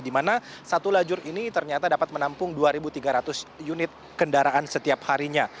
di mana satu lajur ini ternyata dapat menampung dua tiga ratus unit kendaraan setiap harinya